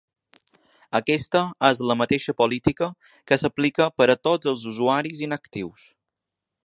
Aquesta és la mateixa política que s’aplica per a tots els usuaris inactius.